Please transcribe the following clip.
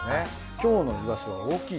今日のイワシは大きい。